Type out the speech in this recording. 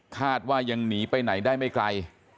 คาดว่ายังหนีไปไหนได้ไม่ไกล